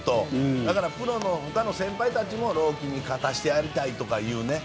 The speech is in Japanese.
だからプロの他の先輩たちも朗希君に勝たせてやりたいという。